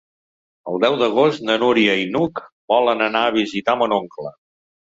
El deu d'agost na Núria i n'Hug volen anar a visitar mon oncle.